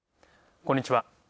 こんにちは。